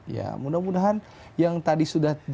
ya mudah mudahan yang tadi sudah